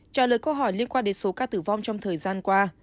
trả lời câu hỏi liên quan đến số ca tử vong trong thời gian qua